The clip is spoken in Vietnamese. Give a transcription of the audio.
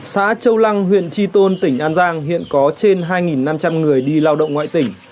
xã châu lăng huyện tri tôn tỉnh an giang hiện có trên hai năm trăm linh người đi lao động ngoại tỉnh